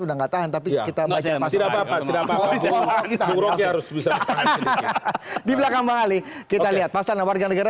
udah nggak tahan tapi kita masih dapat kita harus bisa di belakang balik kita lihat pasal warga negara